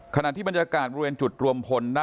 ขณะที่บรรยากาศบริเวณจุดรวมพล